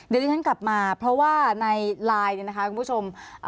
เดี๋ยวที่ฉันกลับมาเพราะว่าในไลน์เนี่ยนะคะคุณผู้ชม